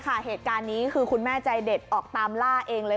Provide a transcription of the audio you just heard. เหตุการณ์นี้คือคุณแม่ใจเด็ดออกตามล่าเองเลย